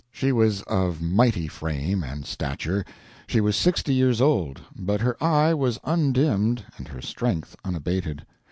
She was of mighty frame and stature; she was sixty years old, but her eye was undimmed and her strength unabated.